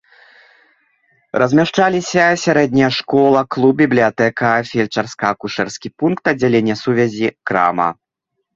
Размяшчаліся сярэдняя школа, клуб, бібліятэка, фельчарска-акушэрскі пункт, аддзяленне сувязі, крама.